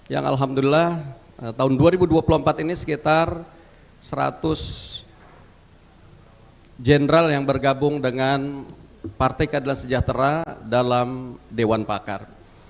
yang alhamdulillah tahun dua ribu dua puluh empat ini sekitar seratus general yang bergabung dengan partai keadilan sejahtera dalam dewan pakar